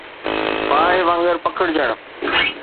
باهه وانگر پکڙجڻ